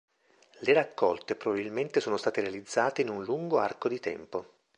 Le raccolte probabilmente sono state realizzate in un lungo arco di tempo.